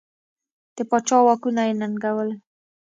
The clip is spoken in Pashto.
د پاچا واکونه یې ننګول.